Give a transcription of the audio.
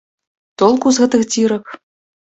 Толку з гэтых дзірак!